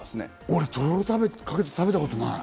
俺、とろろかけて食べたことない。